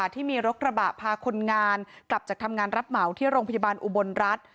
ที่มีรถกระบะพาคนงานกลับจากทำงานรับเหมาที่โรงพยาบาลอุบลรัฐ